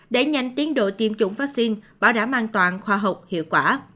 để nhanh tiến độ tiêm chủng vaccine bảo đảm an toàn khoa học hiệu quả